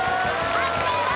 判定は？